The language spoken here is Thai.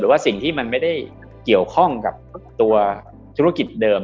ว่าสิ่งที่มันไม่ได้เกี่ยวข้องกับตัวธุรกิจเดิม